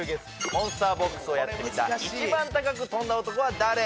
モンスターボックスをヤッテミタ一番高く跳んだ男は誰？